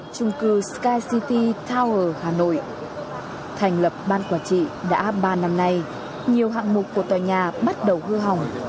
trung cư sky city tower hà nội thành lập ban quản trị đã ba năm nay nhiều hạng mục của tòa nhà bắt đầu hư hỏng